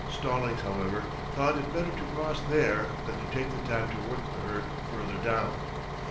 Stallings, however, thought it better to cross there than to take the time to work the herd further down.